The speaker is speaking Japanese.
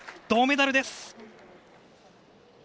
銅メダルです。